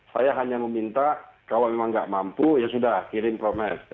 saya hanya meminta kalau memang nggak mampu ya sudah kirim promes